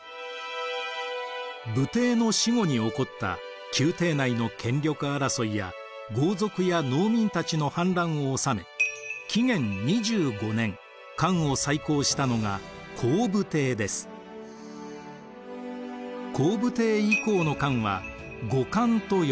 武帝の死後に起こった宮廷内の権力争いや豪族や農民たちの反乱を治め紀元２５年漢を再興したのが光武帝以降の漢は後漢と呼ばれます。